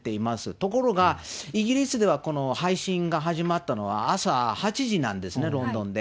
ところが、イギリスではこの配信が始まったのは朝８時なんですね、ロンドンで。